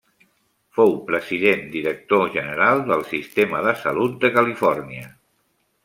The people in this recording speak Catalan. Fou President-director general del sistema de salut de Califòrnia.